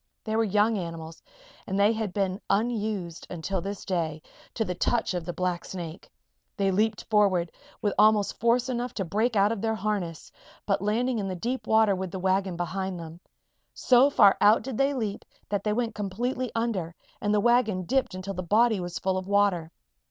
They were young animals and they had been unused, until this day, to the touch of the blacksnake. They leaped forward with almost force enough to break out of their harness, but landing in the deep water with the wagon behind them. So far out did they leap that they went completely under and the wagon dipped until the body was full of water.